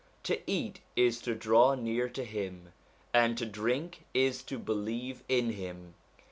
To eat is to draw near to him, and to drink is to believe in him.